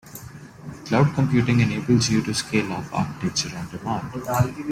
Cloud computing enables you to scale up architecture on-demand.